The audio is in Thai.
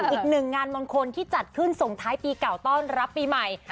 อีกหนึ่งงานมงคลที่จัดขึ้นส่งท้ายปีเก่าต้อนรับปีใหม่